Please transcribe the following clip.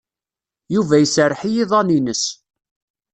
Yuba iserreḥ i yiḍan-ines.